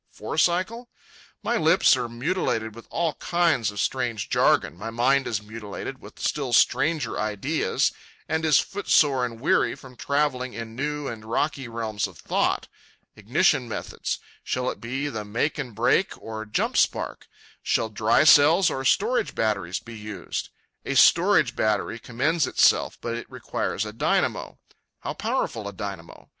four cycle? My lips are mutilated with all kinds of strange jargon, my mind is mutilated with still stranger ideas and is foot sore and weary from travelling in new and rocky realms of thought.—Ignition methods; shall it be make and break or jump spark? Shall dry cells or storage batteries be used? A storage battery commends itself, but it requires a dynamo. How powerful a dynamo?